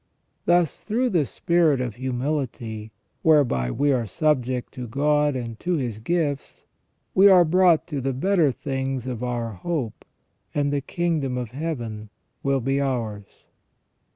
Thus through the spirit of humility, whereby we are subject to God and to His gifts, we are brought to the better things of our hope, and the kingdom of Heaven will be ours."